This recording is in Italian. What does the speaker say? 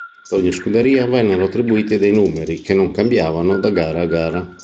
Ad ogni scuderia vennero attribuiti dei numeri, che non cambiavano da gara a gara.